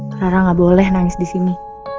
sekarang nggak boleh nangis di sini